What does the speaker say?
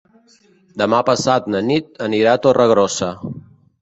Demà passat na Nit anirà a Torregrossa.